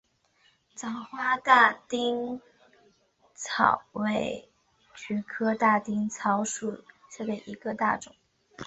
早花大丁草为菊科大丁草属下的一个种。